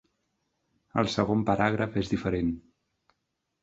El segon paràgraf és diferent.